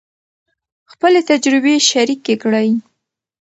خپلې تجربې شریکې کړئ.